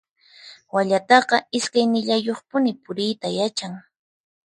Wallataqa iskaynillayuqpuni puriyta yachan.